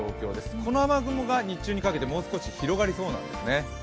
この雨雲が日中にかけてもう少し広がりそうなんですね。